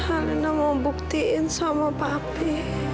alena mau buktikan sama papi